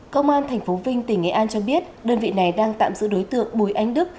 cơ quan thành phố vinh tỉnh nghệ an cho biết đơn vị này đang tạm giữ đối tượng bùi ánh đức